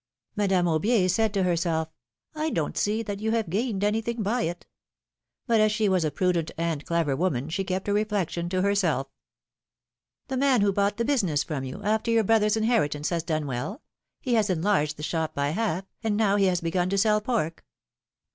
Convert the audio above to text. Madame Aubier said to herself : I don't see that you have gained anything by it !" But as she was a prudent and clever woman, she kept her reflection to herself. ^^The man who bought the business from you, after your brother's inheritance, has done well; he has enlarged the shop by half, and now he has begun to sell pork."